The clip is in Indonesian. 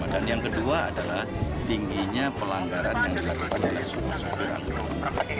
dan yang kedua adalah tingginya pelanggaran yang dilakukan oleh sopir sopir angkot